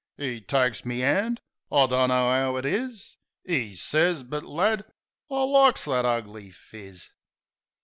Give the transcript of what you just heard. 'E takes me 'and: "I dunno 'ow it is," 'E sez, "but, lad, I likes that ugly phiz."